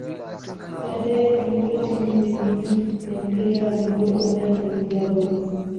Baadae kuliundwa timu nyengine ya mpira wa miguu ambayo ni Vuga Boys